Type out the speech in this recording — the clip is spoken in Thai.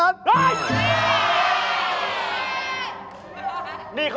เหปาตะเกะเหปาตะเกะ